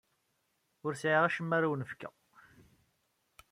Ur sɛiɣ acemma ara awen-fkeɣ.